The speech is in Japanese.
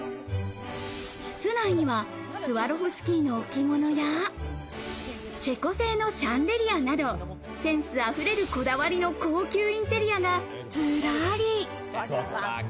室内にはスワロフスキーの置物や、チェコ製のシャンデリアなど、センス溢れるこだわりの高級インテリアがずらり。